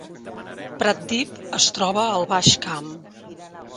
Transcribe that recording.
Pratdip es troba al Baix Camp